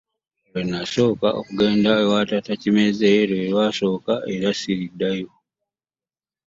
Lwe nasooka okugenda ewa taata Kimeze era lwe lwakoma ssiriddayo!